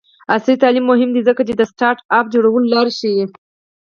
عصري تعلیم مهم دی ځکه چې د سټارټ اپ جوړولو لارې ښيي.